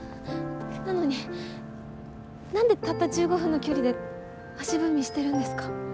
なのに何でたった１５分の距離で足踏みしてるんですか。